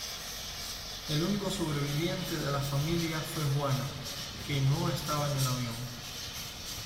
El único sobreviviente de la familia fue Juana, que no estaba en el avión.